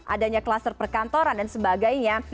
adanya kluster perkantoran dan sebagainya